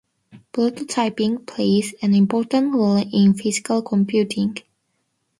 Prototyping plays an important role in Physical Computing.